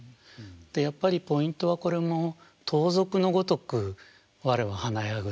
やっぱりポイントはこれも「盗賊のごとくわれは華やぐ」ですかね。